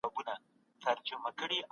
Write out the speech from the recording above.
د پوهې کچه باید په دوامداره توګه لوړه سي.